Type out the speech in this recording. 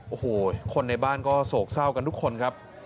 โอ้โหคนในบ้านก็โศกเศร้ากันทุกคนครับ